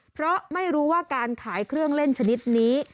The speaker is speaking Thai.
เพราะไม่รู้ว่าการขายเครื่องเล่นชนิดนี้